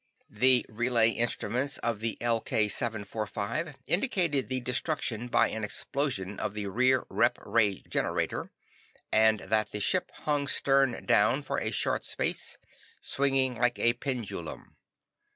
"The relay instruments of the LK 745 indicated the destruction by an explosion of the rear rep ray generator, and that the ship hung stern down for a short space, swinging like a pendulum.